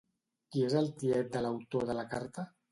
Qui és el tiet de l'autor de la carta?